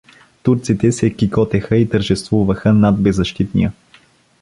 Турците се кикотеха и тържествуваха над беззащитния.